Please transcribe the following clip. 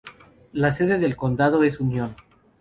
La sede del condado es Union.